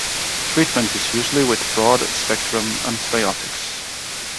Treatment is usually with broad-spectrum antibiotics.